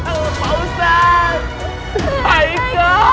kamu sudah berhasil pakai kao